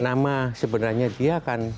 nama sebenarnya dia kan